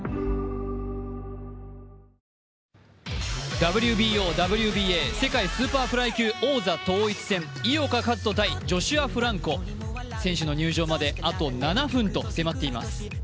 ＷＢＯ・ＷＢＡ世界スーパーフライ級王座統一戦井岡一翔×ジョシュア・フランコ、先週の入場まであと７分と迫っています。